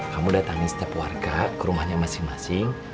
kamu datangi setiap warga ke rumahnya masing masing